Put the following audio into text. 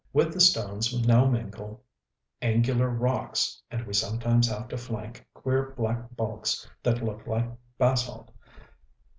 With the stones now mingle angular rocks; and we sometimes have to flank queer black bulks that look like basalt....